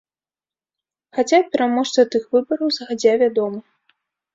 Хаця пераможца тых выбараў загадзя вядомы.